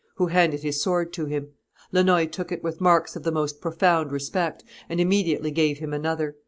who handed his sword to him. Lannoy took it with marks of the most profound respect, and immediately gave him another.